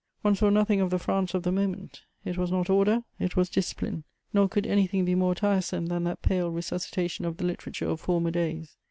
One saw nothing of the France of the moment; it was not order, it was discipline. Nor could anything be more tiresome than that pale resuscitation of the literature of former days.